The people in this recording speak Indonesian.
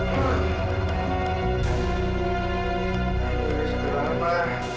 ya udah sudah lama